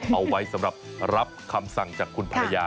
เอาไว้สำหรับรับคำสั่งจากคุณภรรยา